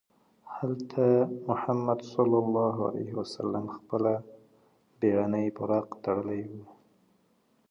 هلته محمد صلی الله علیه وسلم خپله بېړنۍ براق تړلې وه.